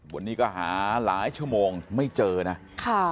วันนี้ก็หาหลายชั่วโมงไม่เจอนะค่ะ